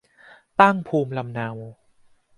ตั้งภูมิลำเนา